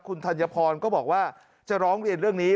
คุณธัญพรก็บอกว่าจะร้องเรียนเรื่องนี้